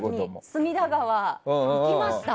隅田川に行きました。